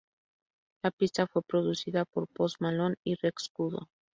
La pista fue producida por Post Malone y Rex Kudo.